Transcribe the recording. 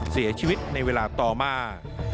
เสียชีวิตในเวลาต่อมา